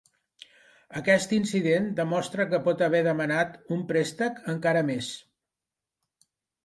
Aquest incident demostra que pot haver demanat en préstec encara més.